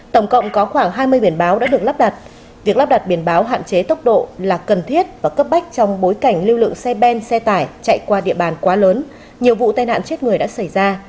tổng cộng có khoảng hai mươi biển báo đã được lắp đặt việc lắp đặt biển báo hạn chế tốc độ là cần thiết và cấp bách trong bối cảnh lưu lượng xe ben xe tải chạy qua địa bàn quá lớn nhiều vụ tai nạn chết người đã xảy ra